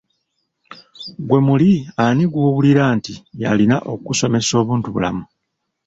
Ggwe muli ani gw'owuli nti y'alina okukusomesa obuntubulamu?